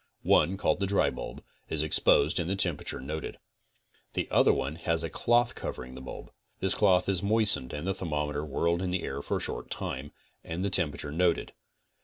One, called the dry bulb, is exposed and the temperature moted. The other one has a cloth covering the bulb. This cloth is mois tened and the thermometer whirled in the air for a short time, and the temperature noted.